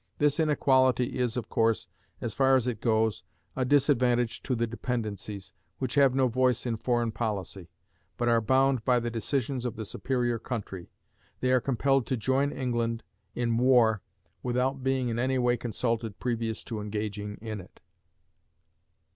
This inequality is, of course, as far as it goes, a disadvantage to the dependencies, which have no voice in foreign policy, but are bound by the decisions of the superior country. They are compelled to join England in war without being in any way consulted previous to engaging in it.